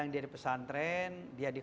yang dia di pesan tren dia di